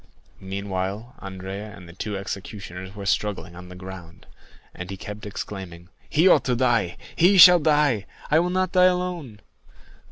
Meanwhile Andrea and the two executioners were struggling on the ground, and he kept exclaiming, "He ought to die!—he shall die!—I will not die alone!"